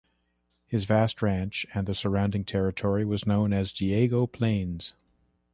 His vast ranch and the surrounding territory was known as Diego Plains.